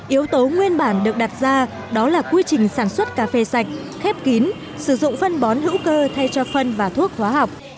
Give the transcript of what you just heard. yếu tố nguyên bản được đặt ra đó là quy trình sản xuất cà phê sạch khép kín sử dụng phân bón hữu cơ thay cho phân và thuốc hóa học